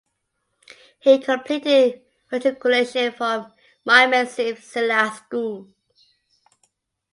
He completed matriculation from Mymensingh Zilla School.